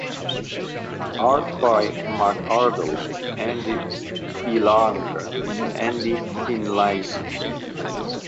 Art by McArdle, Andy Belanger and Andy Finlayson.